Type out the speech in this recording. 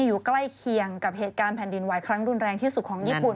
อยู่ใกล้เคียงกับเหตุการณ์แผ่นดินไหวครั้งรุนแรงที่สุดของญี่ปุ่น